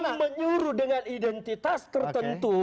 pernah menyuruh dengan identitas tertentu